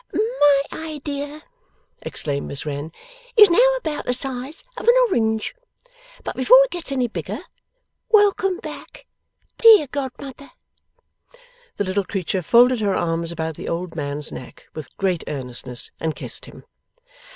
'My idea,' exclaimed Miss Wren, 'is now about the size of an orange. But before it gets any bigger, welcome back, dear godmother!' The little creature folded her arms about the old man's neck with great earnestness, and kissed him.